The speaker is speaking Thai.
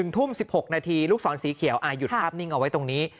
ทุ่ม๑๖นาทีลูกศรสีเขียวหยุดภาพนิ่งเอาไว้ตรงนี้